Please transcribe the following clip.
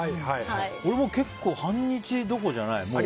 俺も結構、半日どころじゃない。